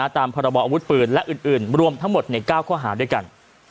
ตามพรบออาวุธปืนและอื่นรวมทั้งหมดใน๙ข้อหาด้วยกัน